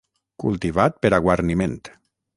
Cultivat per a guarniment.